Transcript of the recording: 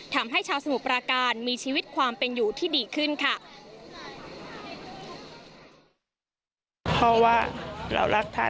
ทำให้ชาวสมุทรปราการมีชีวิตความเป็นอยู่ที่ดีขึ้นค่ะ